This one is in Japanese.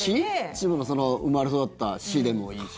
千葉の生まれ育った市でもいいし。